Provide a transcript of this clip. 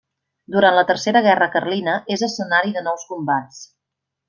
Durant la tercera Guerra Carlina és escenari de nous combats.